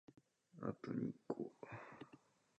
さて、どうしようか。漫画喫茶、カプセルホテル、ビジネスホテル、